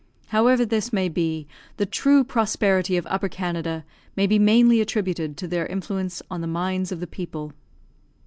However this may be, the true prosperity of Upper Canada may be mainly attributed to their influence on the minds of the people.